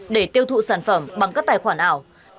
để tiêu thụ sản phẩm bằng các tài khoản ảo